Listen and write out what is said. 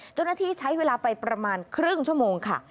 เจ้าหน้าที่ใช้เวลาไปประมาณครึ่งชั่วโมงค่ะ